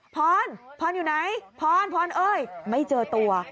พรพรอยู่ไหนพรพรเอ้ยไม่เจอตัว